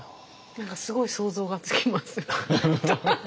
何かすごい想像がつきます。